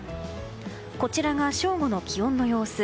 こちらが正午の気温の様子。